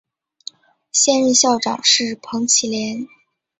现任校长是彭绮莲。